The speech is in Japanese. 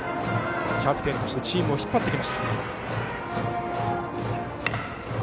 キャプテンとしてチームを引っ張ってきました。